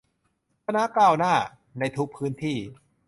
คณะก้าวหน้า ในทุกพื้นที่